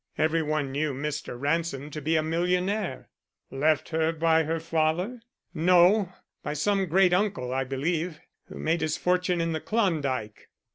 Every one knew Mr. Ransom to be a millionaire. "Left her by her father?" "No, by some great uncle, I believe, who made his fortune in the Klondike."